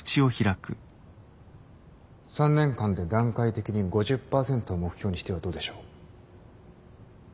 ３年間で段階的に５０％を目標にしてはどうでしょう。